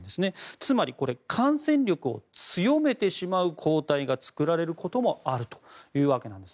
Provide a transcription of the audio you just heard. つまり、感染力を強めてしまう抗体が作られることもあるというわけなんです。